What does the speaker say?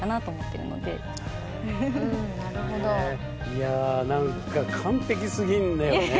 いやなんか完璧すぎんだよね。